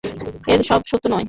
এই সব সত্য নয়।